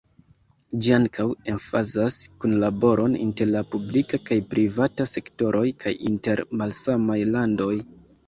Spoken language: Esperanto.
Ĝi ankaŭ emfazas kunlaboron inter la publika kaj privata sektoroj kaj inter malsamaj landoj.